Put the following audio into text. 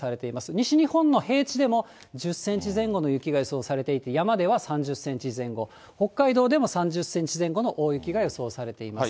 西日本の平地でも１０センチ前後の雪が予想されていて、山では３０センチ前後、北海道でも３０センチ前後の大雪が予想されています。